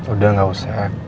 udah gak usah